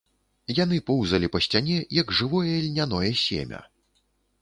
Яны поўзалі па сцяне, як жывое льняное семя.